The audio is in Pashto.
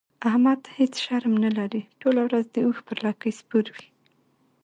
احمد هيڅ شرم نه لري؛ ټوله ورځ د اوښ پر لکۍ سپور وي.